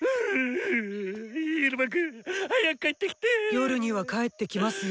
夜には帰ってきますよ。